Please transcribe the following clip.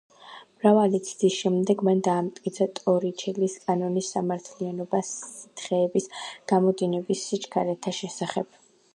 მრავალი ცდის შედეგად მან დაამტკიცა ტორიჩელის კანონის სამართლიანობა სითხეების გამოდინების სიჩქარეთა შესახებ.